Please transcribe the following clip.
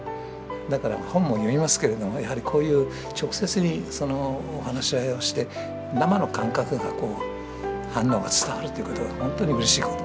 だから本も読みますけれどもやはりこういう直接に話し合いをして生の感覚が反応が伝わるということが本当にうれしいこと。